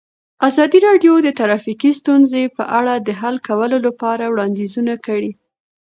ازادي راډیو د ټرافیکي ستونزې په اړه د حل کولو لپاره وړاندیزونه کړي.